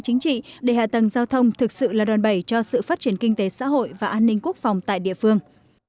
chính trị để hạ tầng giao thông thực sự là đòn bẩy cho sự phát triển kinh tế xã hội và an ninh quốc phòng tại địa phương